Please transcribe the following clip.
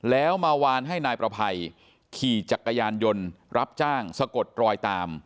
แล้วมาวานให้นายประภัยขี่จักรยานยนต์รับจ้างสะกดรอยตาม